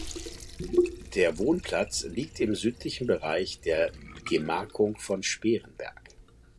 Der Wohnplatz liegt im südlichen Bereich der Gemarkung von Sperenberg.